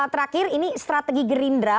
terakhir ini strategi gerindra